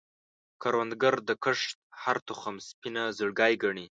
کروندګر د کښت هره تخم سپینه زړګی ګڼي